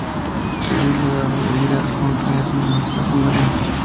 Se vio obligado a huir a las montañas, donde más tarde murió.